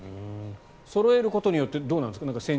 そろえることによってどうなんですか？